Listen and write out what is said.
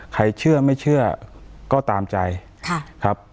เชื่อไม่เชื่อก็ตามใจครับ